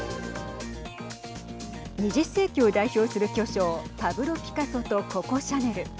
２０世紀を代表する巨匠パブロ・ピカソとココ・シャネル。